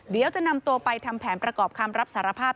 เดี๋ยวจะนำตัวไปทำแผนประกอบคำรับสารภาพ